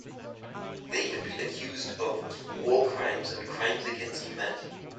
They have been accused of war crimes and crimes against humanity.